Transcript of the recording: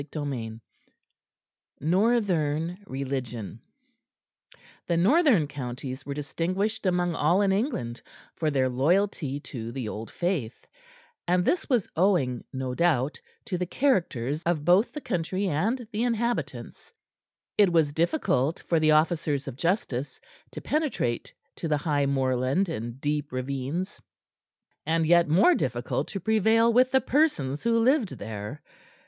CHAPTER VII NORTHERN RELIGION The Northern counties were distinguished among all in England for their loyalty to the old Faith; and this was owing, no doubt, to the characters of both the country and the inhabitants; it was difficult for the officers of justice to penetrate to the high moorland and deep ravines, and yet more difficult to prevail with the persons who lived there.